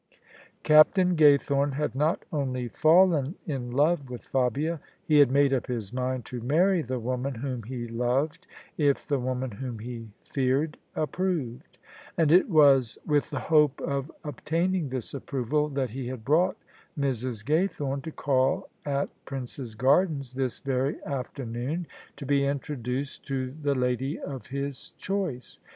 Captain Gaythorne had not only fallen in love with Fabia: he had made up his mind to marry the woman whom he loved if the woman whom he feared approved. And it was with the hope of obtaining this approval that he had brought Mrs. Gaythorne to call at Prince's Gardens this very afternoon, to be introduced to the lady of his choice.